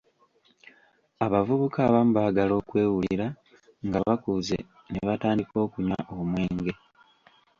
Abavubuka abamu baagala okwewulira nga bakuze ne batandika okunywa omwenge.